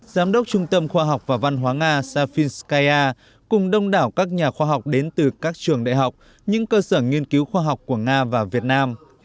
giám đốc trung tâm khoa học và văn hóa nga safhin skya cùng đông đảo các nhà khoa học đến từ các trường đại học những cơ sở nghiên cứu khoa học của nga và việt nam